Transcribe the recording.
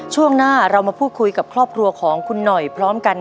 ช่วงหน้าเรามาพูดคุยกับครอบครัวของคุณหน่อยพร้อมกัน